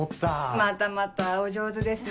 またまたお上手ですね。